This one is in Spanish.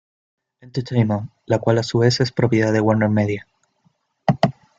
Entertainment, la cual a su vez es propiedad de WarnerMedia.